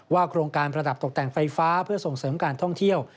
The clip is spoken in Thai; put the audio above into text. โครงการประดับตกแต่งไฟฟ้าเพื่อส่งเสริมการท่องเที่ยว